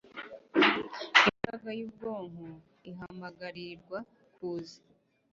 Imbaraga yubwonko ihamagarirwa kuza